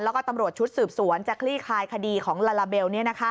แล้วก็ตำรวจชุดสืบสวนจะคลี่คลายคดีของลาลาเบล